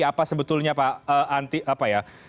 apa sebetulnya pak antisipatif dan juga responsif serta